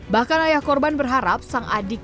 bahkan ayah korban berharap sang adik